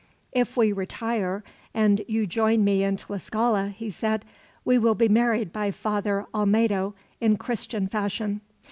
"If we retire, and you join me in Tlascala," he said, "we will be married by Father Olmedo, in Christian fashion.